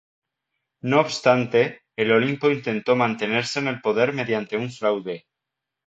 No obstante, el Olimpo intentó mantenerse en el poder mediante un fraude.